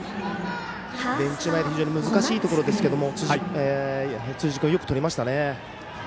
ベンチ前非常に難しいところですが辻井君、よくとりましたね。